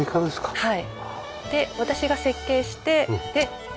はい。